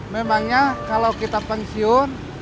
memangnya kalau kita pensiun